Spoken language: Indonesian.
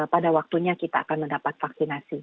pada waktunya kita akan mendapat vaksinasi